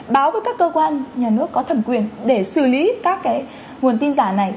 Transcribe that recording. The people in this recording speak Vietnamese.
báo với các cơ quan nhà nước có thẩm quyền để xử lý các cái nguồn tin giả này